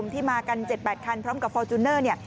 ที่มากัน๗๘คันพร้อมกับฟอร์จูเนอร์เนี่ย